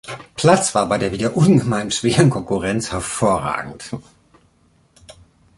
Platz war bei der wieder ungemein schweren Konkurrenz hervorragend.